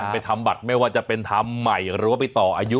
ไปทำบัตรไม่ว่าจะเป็นทำใหม่หรือว่าไปต่ออายุ